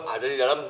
ada di dalam